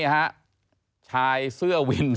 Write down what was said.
ไม่รู้ว่าใครชกต่อยกันอยู่แล้วอะนะคะ